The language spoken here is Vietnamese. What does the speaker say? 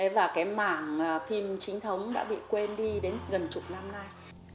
và cái mảng phim chính thống đã bị quên đi đến gần chục năm nay